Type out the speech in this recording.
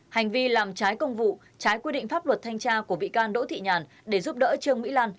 hành vi làm trái công vụ trái quy định pháp luật thanh tra của bị can đỗ thị nhàn để giúp đỡ trương mỹ lan